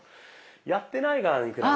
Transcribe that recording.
やってない側に比べて。